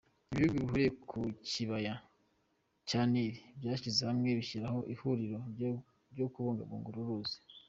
Ibihugu bihuriye ku kibaya cya Nil byishyize hamwe bishyiraho Ihuriro ryo Kubungabunga uru ruzi.